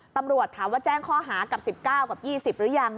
ตำรวจถามว่าแจ้งข้อหากับ๑๙กับ๒๐หรือยัง